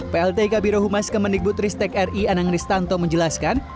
plt kabiro humas kemendikbud ristek ri anang ristanto menjelaskan